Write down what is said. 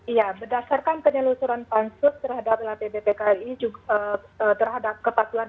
iya berdasarkan penyelusuran pansus terhadap bpbkri terhadap kepatulan berat